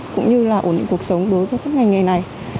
cũng như là ổn định cuộc sống đối với các ngành nghề này